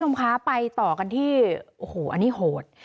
คุณผู้ชมคะไปต่อกันที่โอ้โหอันนี้โหด